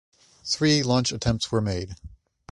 Three launch attempts were made.